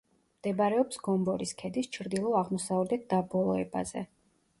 მდებარეობს გომბორის ქედის ჩრდილო-აღმოსავლეთ დაბოლოებაზე.